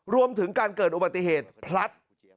รวมถึงการเกิดอุบัติเหตุพลัด